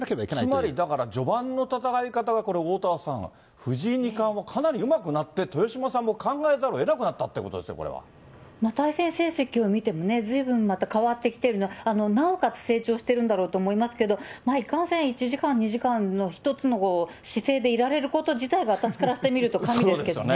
つまりだから序盤の戦い方がこれ、おおたわさん、藤井二冠もかなりうまくなって、豊島さんも考えざるをえなくなったということですよ、対戦成績を見てもね、ずいぶんまた変わってきてる、なおかつ成長してるんだろうと思いますけど、いかんせん、１時間、２時間、一つの姿勢でいられること自体が、私からしてみると神ですけどね。